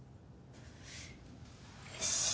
よし。